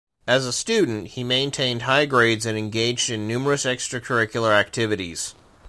As a student, he maintained high grades and engaged in numerous extracurricular activities.